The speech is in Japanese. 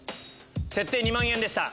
設定２万円でした。